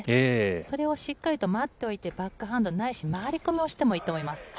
それをしっかりと待っといて、バックハンドないし回り込みをしてもいいと思います。